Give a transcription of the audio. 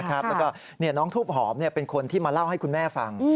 แล้วก็น้องทูบหอมเป็นคนที่มาเล่าให้คุณแม่ฟัง